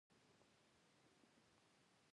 ښکلې سیمه